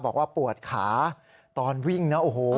บอกว่าปวดขาตอนวิ่งนะโอ้โห